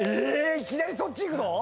いきなりそっちいくの⁉